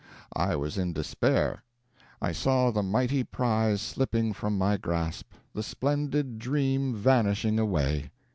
I was in despair. I saw the mighty prize slipping from my grasp, the splendid dream vanishing away.